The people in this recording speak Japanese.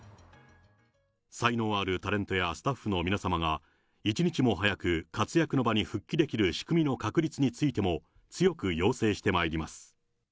才能あるタレントやスタッフの皆様が一日も早く活躍の場に復帰できる仕組みの確立についても強く要請してまいります。